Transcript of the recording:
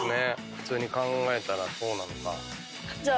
普通に考えたらそうなのか。